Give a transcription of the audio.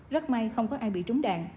rất may không có ai bị trúng đạn